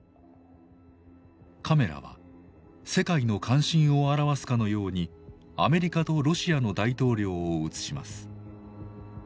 カメラは世界の関心を表すかのようにアメリカとロシアの大統領を映します。